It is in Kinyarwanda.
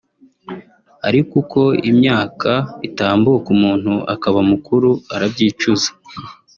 Ariko uko imyaka itambuka umuntu akaba mukuru arabyicuza